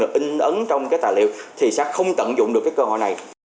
in ấn trong cái tài liệu thì sẽ không tận dụng được cái cơ hội này